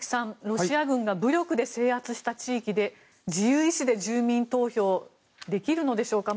ロシア軍が武力で制圧した地域で自由意思で住民投票ができるのでしょうか。